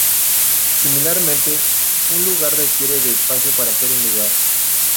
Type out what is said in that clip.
Similarmente, un lugar requiere de espacio para ser un lugar.